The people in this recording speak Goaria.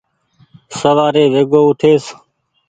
سوآري ويڳو اُٺيس۔